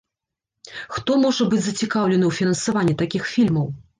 Хто можа быць зацікаўлены ў фінансаванні такіх фільмаў?